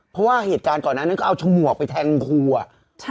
เพราะว่าเหตุการณ์ก่อนนั้นก็เอาฉมวกไปแทงครูอ่ะ